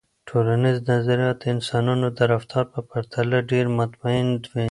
ټولنیز نظریات د انسانانو د رفتار په پرتله ډیر مطمئن وي.